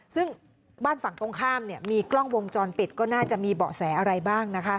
ซึ่งบ้านฝั่งตรงข้ามมีกล้องวงจรปิดก็น่าจะมีเบาะแสอะไรบ้าง